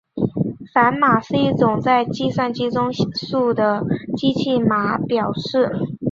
反码是一种在计算机中数的机器码表示。